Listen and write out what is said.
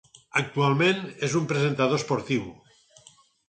Actualment és un presentador esportiu.